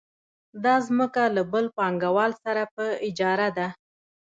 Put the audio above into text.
دا ځمکه له بل پانګوال سره په اجاره ده